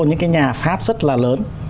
những cái nhà pháp rất là lớn